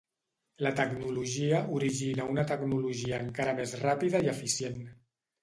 La tecnologia origina una tecnologia encara més ràpida i eficient.